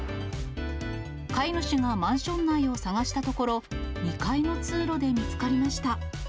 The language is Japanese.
飼い主がマンション内を捜したところ、２階の通路で見つかりました。